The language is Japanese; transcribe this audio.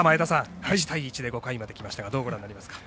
１対１で５回まできましたがどうご覧になりますか。